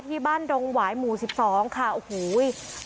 ที่บ้านดงหวายหมู่๑๒ค่ะโอ้โฮ